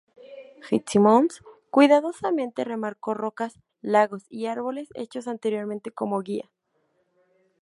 Fitzsimmons cuidadosamente remarcó rocas, lagos y árboles hechos anteriormente como guía.